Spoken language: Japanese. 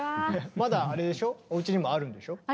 まだおうちにもあるんでしょ？